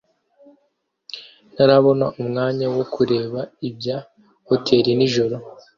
Ntarabona umwanya wo kureba ibya hoteri nijoro